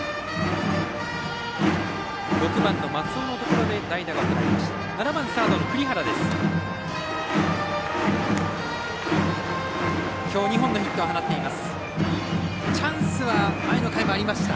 ６番の松尾のところで代打が送られました。